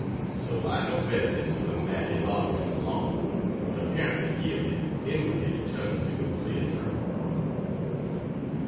So I know better than to combat his arguments long, but apparently yielded, inwardly determined to go clear through.